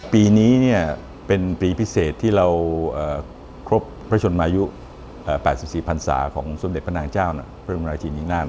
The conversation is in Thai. ปีนี้เป็นปีพิเศษที่เราครบพระชนมายุ๘๔พันศาของสมเด็จพระนางเจ้าพระบรมราชินินาศ